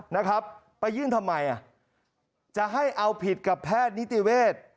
นะครับไปยื่นทำไมอ่ะจะให้เอาผิดกับแพทย์นิติเวศ